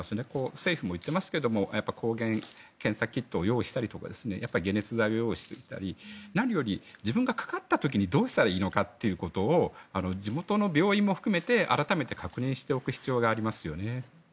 政府も言ってますけども抗原検査キットを用意したりとかやっぱり解熱剤を用意したり何より自分がかかった時にどうしたらいいのかということを地元の病院も含めて改めて確認しておく必要がありますよね。